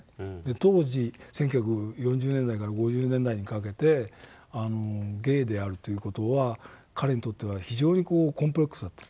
当時１９４０年代から５０年代にかけてゲイであるという事は彼にとっては非常にコンプレックスだったの。